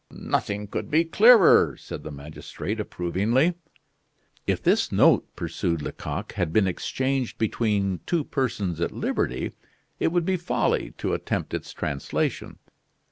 "Nothing could be clearer," said the magistrate, approvingly. "If this note," pursued Lecoq, "had been exchanged between two persons at liberty, it would be folly to attempt its translation.